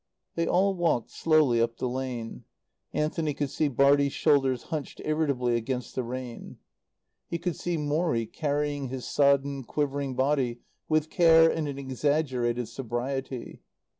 They all walked slowly up the lane. Anthony could see Bartie's shoulders hunched irritably against the rain. He could see Morrie carrying his sodden, quivering body with care and an exaggerated sobriety.